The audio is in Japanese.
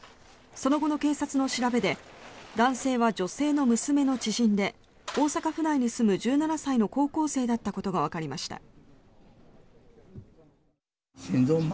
その後の警察の調べで男性は女性の娘の知人で大阪府内に住む１７歳の高校生だったことがわかりました。